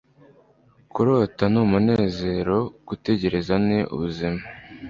kurota ni umunezero; gutegereza ni ubuzima